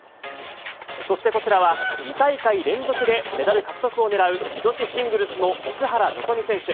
そしてこちらは、２大会連続でメダル獲得を狙う女子シングルスの奥原希望選手。